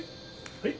はい！